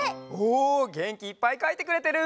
げんきいっぱいかいてくれてる！